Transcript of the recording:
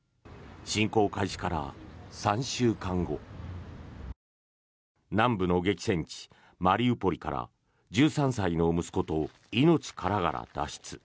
侵攻開始から３週間後南部の激戦地マリウポリから１３歳の息子と命からがら脱出。